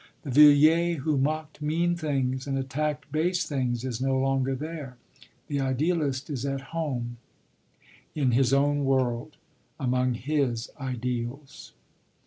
The Villiers who mocked mean things and attacked base things is no longer there; the idealist is at home in his own world, among his ideals.